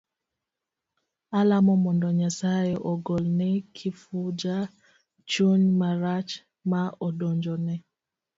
Alamo mondo Nyasaye ogol ne Kifuja chuny marach ma odonjone.